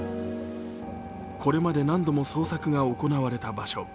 これまで何度も捜索が行われた場所。